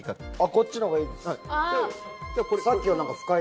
こっちのほうがいいです。